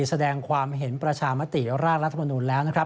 แสดงความเห็นประชามติร่างรัฐมนุนแล้วนะครับ